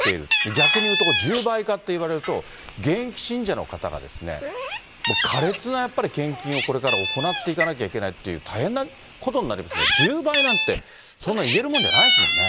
逆に言うと、十倍化って言われると、現役信者の方が、もうかれつなやっぱり献金をこれから行っていかなきゃいけないっていう、大変なことになりますね。十倍なんて、そんな言えるもんじゃないですもんね。